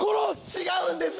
違うんです！